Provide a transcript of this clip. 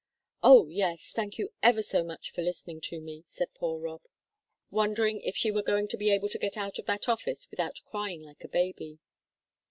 "Oh, yes; thank you ever so much for listening to me," said poor Rob, wondering if she were going to be able to get out of that office without crying like a baby.